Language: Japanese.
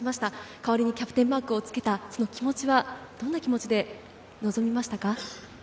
代わりにキャプテンマークをつけた気持ちはどんな気持ちでしたか？